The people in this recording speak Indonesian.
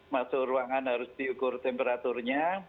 masuk ruangan harus diukur temperaturnya